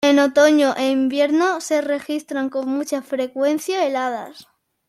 En otoño e invierno se registran con mucha frecuencia heladas.